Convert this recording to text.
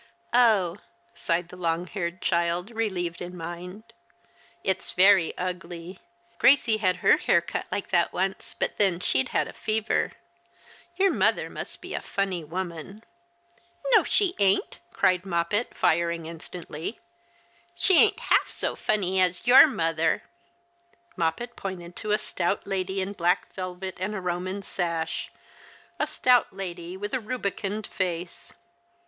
" Oh," sighed the long haired child, relieved in mind. " It's very ugly. Gracie had her hair like that once, but then she'd had a fever. Your muther must be a funny woman." " No she ain't, " cried 3[oppet, tiring instantly. " She 144 The Christmas Hirelings. ain't half so funny as your mother." Moppet pointed to a stout lady in black velvet and a Koman sash — a stout lady with a rubicund face.